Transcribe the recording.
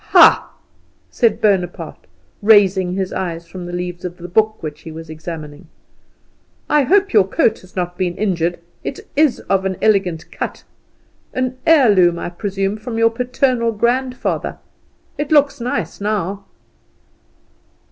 "Ha!" said Bonaparte, raising his eyes from the leaves of the book which he was examining, "I hope your coat has not been injured; it is of an elegant cut. An heirloom, I presume, from your paternal grandfather? It looks nice now."